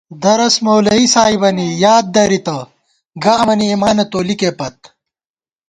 درس مولوی صاحِبَنی یاد دَرِتہ، گہ امَنی ایمانہ تولِکے پت